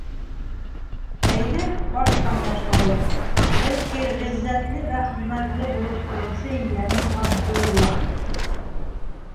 Әйҙә, баштан башлайыҡ: Һеҙ ки ғиззәтле вә хөрмәтле булып тороусы ейәнем Ғабдулла!